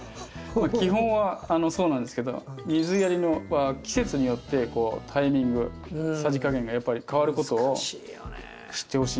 基本はそうなんですけど水やりは季節によってタイミングさじ加減がやっぱり変わることを知ってほしいんですよね。